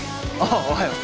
おおはよう！